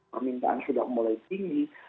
permintaan sudah mulai tinggi